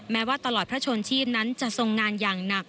แม้ว่าตลอดพระชนชีพนั้นจะทรงงานอย่างหนัก